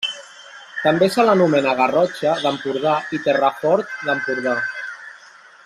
També se l'anomena Garrotxa d'Empordà i Terrafort d'Empordà.